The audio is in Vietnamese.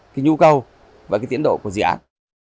cái nhu cầu và cái tiến độ của dự án